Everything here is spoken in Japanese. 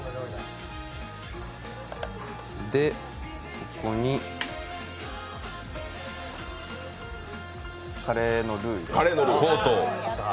ここにカレーのルーを。